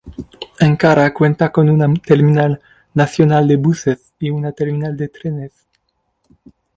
Ankara cuenta con una Terminal Nacional de Buses y una Terminal de Trenes.